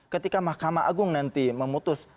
ketika mahkamah agung nanti memutus